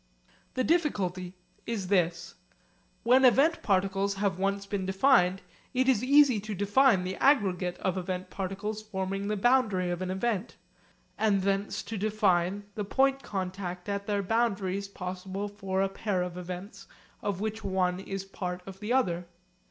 The difficulty is this: When event particles have once been defined it is easy to define the aggregate of event particles forming the boundary of an event; and thence to define the point contact at their boundaries possible for a pair of events of which one is part of the other.